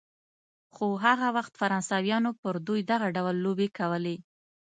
خو هغه وخت فرانسویانو پر دوی دغه ډول لوبې کولې.